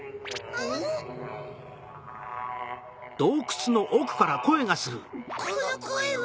・あ・このこえは。